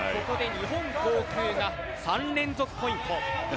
ここで日本航空が３連続ポイント。